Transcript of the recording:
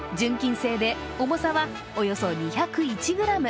製で重さはおよそ２０１ｇ。